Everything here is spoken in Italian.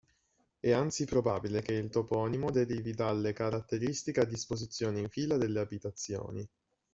È anzi probabile che il toponimo derivi dalle caratteristica disposizione in fila delle abitazioni.